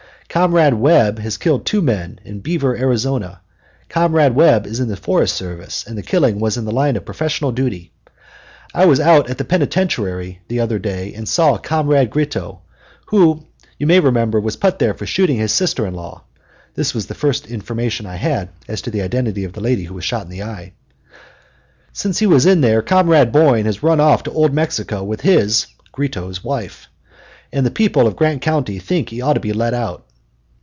Comrade Webb has killed two men in Beaver, Arizona. Comrade Webb is in the Forest Service, and the killing was in the line of professional duty. I was out at the penitentiary the other day and saw Comrade Gritto, who, you may remember, was put there for shooting his sister in law [this was the first information I had had as to the identity of the lady who was shot in the eye]. Since he was in there Comrade Boyne has run off to old Mexico with his (Gritto's) wife, and the people of Grant County think he ought to be let out."